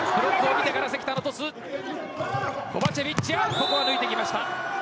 ここは抜いてきました。